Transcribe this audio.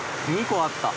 ２個あった。